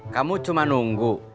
kamu cuma nunggu